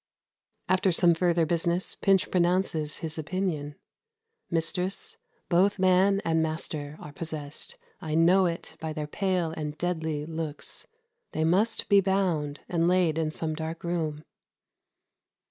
After some further business, Pinch pronounces his opinion: "Mistress, both man and master are possessed; I know it by their pale and deadly looks: They must be bound, and laid in some dark room."